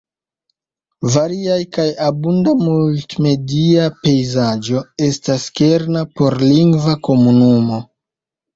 Varia kaj abunda multmedia pejzaĝo estas kerna por lingva komunumo.